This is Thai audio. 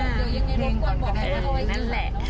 นั่นแหละ